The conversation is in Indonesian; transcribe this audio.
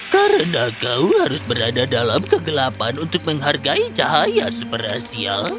karena kau harus berada dalam kegelapan untuk menghargai cahaya super asia